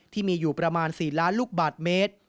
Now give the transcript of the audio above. ที่มีอยู่ประมาณ๔ล้านลูกบาทเมตร